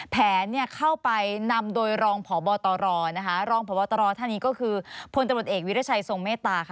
แผนเข้าไปนำโดยรองผ่อบอตรรองผ่อบอตรท่านนี้ก็คือพลตรวจเอกวิรชัยทรงเมตตา